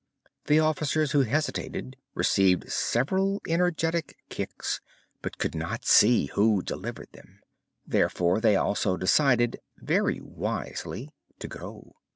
The officers who hesitated received several energetic kicks, but could not see who delivered them; therefore they also decided very wisely to go.